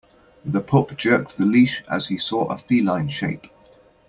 The pup jerked the leash as he saw a feline shape.